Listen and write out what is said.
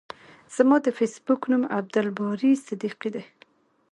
زما د فیسبوک نوم عبدالباری صدیقی ده.